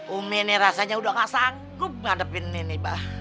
umi ini rasanya udah gak sanggup ngadepin ini bah